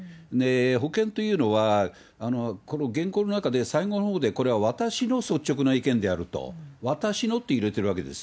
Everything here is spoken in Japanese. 保険というのは、この原稿の中で、最後のほうで、これは私の率直な意見であると、私のって入れてるわけです。